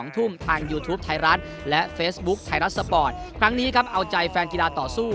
ทุกวันพฤหาสมดี๒ทุ่ม